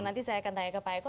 nanti saya akan tanya ke pak eko